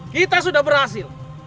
kita sudah berhasil